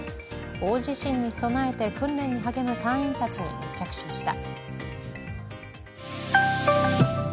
大地震に備えて訓練に励む隊員たちに密着しました。